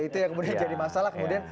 itu yang kemudian jadi masalah kemudian